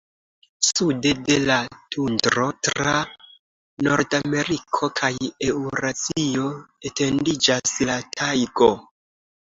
Sude de la tundro, tra Nordameriko kaj Eŭrazio, etendiĝas la tajgo.